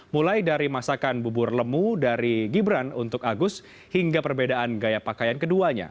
mulai dari masakan bubur lemu dari gibran untuk agus hingga perbedaan gaya pakaian keduanya